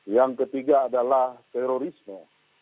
yang ketiga adalah terorisme